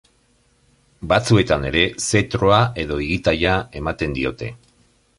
Batzuetan ere zetroa edo igitaia ematen diote.